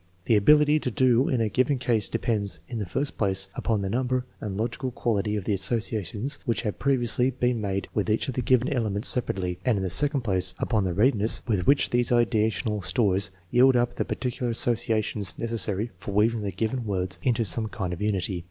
The ability to do in a given case depends, in the first place, upon the number and logical quality of the associations which have previously been made with each of the given elements separately, and in the second place, upon the readiness with which these ideational stores yield up the particular associations neces sary for weaving the given words into some kind of unity.